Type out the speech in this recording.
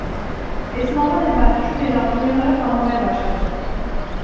Esma'dan evvel küçük Necati uyanarak ağlamaya başladı.